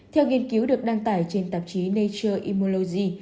theo nghiên cứu được đăng tải trên tạp chí nature imology